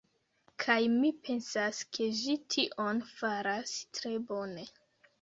Kaj mi pensas ke ĝi tion faras tre bone.